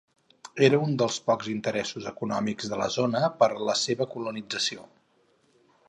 Era un dels pocs interessos econòmics de la zona per a la seva colonització.